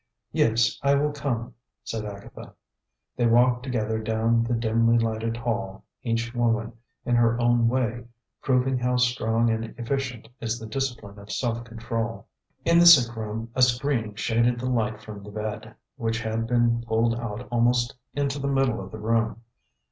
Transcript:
"Yes, I will come," said Agatha. They walked together down the dimly lighted hall, each woman, in her own way, proving how strong and efficient is the discipline of self control. In the sick room a screen shaded the light from the bed, which had been pulled out almost into the middle of the room.